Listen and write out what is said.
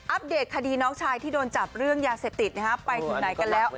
เดตคดีน้องชายที่โดนจับเรื่องยาเสพติดไปถึงไหนกันแล้ว